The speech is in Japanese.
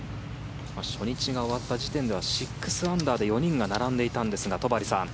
初日が終わった時点では６アンダーで４人が並んでいたんですが戸張さん